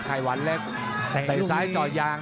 ไข่หวานเล็กเตะซ้ายจ่อยาง